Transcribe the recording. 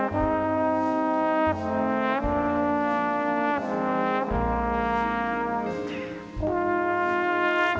โปรดติดตามต่อไป